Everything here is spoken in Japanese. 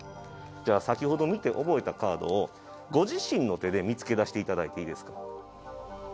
じゃあ先ほど見て覚えたカードをご自身の手で見つけ出していただいていいですか。